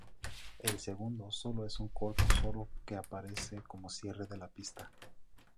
El segundo solo es un corto solo que aparece como cierre de la pista.